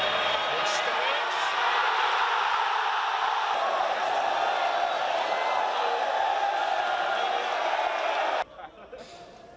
pertandingan yang dimenangkan oleh sevilla adalah di kawasan senayan jakarta